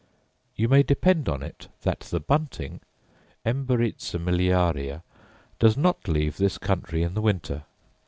You may depend on it that the bunting, emberiza miliaria, does not leave this country in the winter.